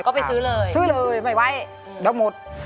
ก็ไปซื้อเลยซื้อเลยไม่ไหวแล้วหมด